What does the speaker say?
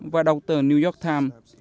và đọc tờ new york times